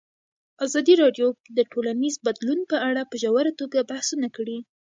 ازادي راډیو د ټولنیز بدلون په اړه په ژوره توګه بحثونه کړي.